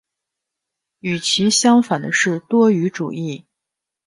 与其相反的是多语主义。